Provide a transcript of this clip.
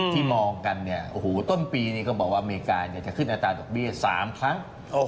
ที่มองกันต้นปีก็บอกว่าอเมริกาจะขึ้นอาตาตกเบียกสามครั้ง